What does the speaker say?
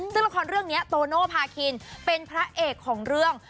ซึ่งละครเรื่องนี้โตโนภาคินเป็นพระเอกของเรื่อง